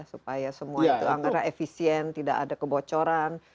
supaya semua itu anggaran efisien tidak ada kebocoran